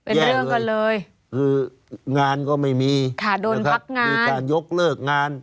เป็นเรื่องกันเลยคืองานก็ไม่มีค่ะโดนพักงานมีการยกเลิกงาน